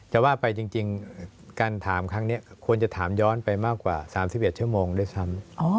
จะว่าไปจริงการถามครั้งนี้ควรจะถามย้อนไปมากกว่า๓๑ชั่วโมงด้วยซ้ำ